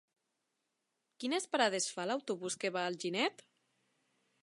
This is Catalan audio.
Quines parades fa l'autobús que va a Alginet?